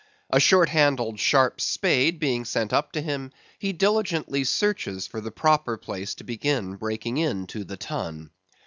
A short handled sharp spade being sent up to him, he diligently searches for the proper place to begin breaking into the Tun.